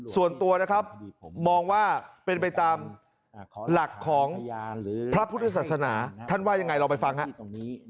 ส่วนตัวนะครับมองว่าเป็นไปตามหลักของพระพุทธศาสนาท่านว่ายังไงลองไปฟังครับ